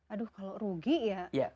aduh kalau rugi ya